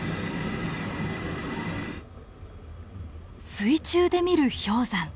水中で見る氷山。